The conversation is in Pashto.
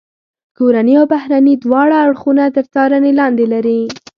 کورني او بهرني دواړه اړخونه تر څارنې لاندې لري.